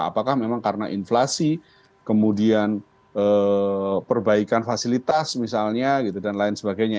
apakah memang karena inflasi kemudian perbaikan fasilitas misalnya gitu dan lain sebagainya